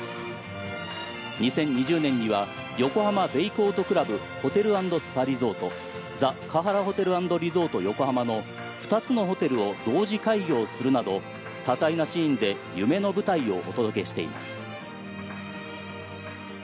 ２０２０年には、「横浜ベイコート倶楽部ホテル＆スパリゾート」「ザ・カハラ・ホテル＆リゾート横浜」の２つのホテルを同時開業するなど多彩なシーンで夢の舞台をお届けしています。